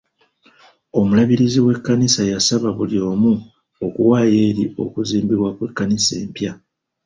Omulabirizi w'ekkanisa yasaba buli omu okuwaayo eri okuzimbibwa kw'ekkanisa empya.